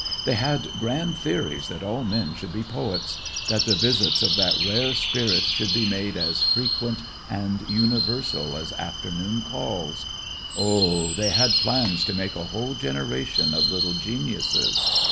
They had grand theories that all men should be poets, that the visits of that rare spirit should be made as frequent and universal as afternoon calls. O, they had plans to make a whole generation of little geniuses.